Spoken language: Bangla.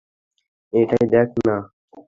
এই দেখ না।